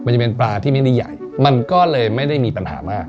มันจะเป็นปลาที่ไม่ได้ใหญ่มันก็เลยไม่ได้มีปัญหามาก